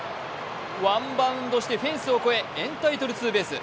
ワンバウンドしてフェンスを越えエンタイトルツーベース。